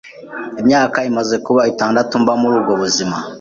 Imyaka imaze kuba itandatu mba muri ubwo buzima